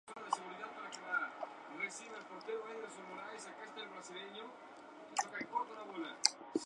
El encuentro fue cruento y muchos germanos murieron.